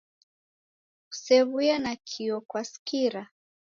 Kusew'uye na kio kwaskira?